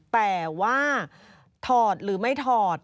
แต่ว่าถอดหรือไม่ถอด